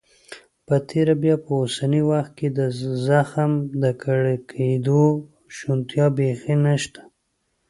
په تیره بیا په اوسني وخت کې د زخم د ککړېدو شونتیا بيخي نشته.